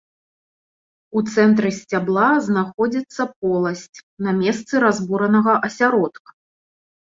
У цэнтры сцябла знаходзіцца поласць на месцы разбуранага асяродка.